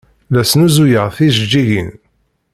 La snuzuyeɣ tijeǧǧigin.